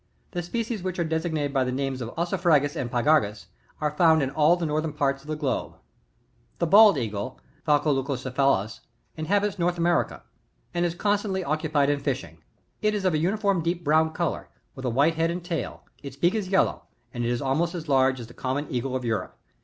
The species which are designated by the names of Ossifragus and Pygargust are found in all the northern parts of the globe. 47. The Bald Eigle^^Falco leucocephalus, — inhabits North America, and is constantly occupied in fishing. It is of a uniform deep brown colour, with a white head and tail ; its beak is yellow and it is almost as large as the common eagle of Europe.